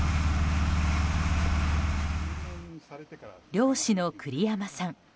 漁師の栗山さん。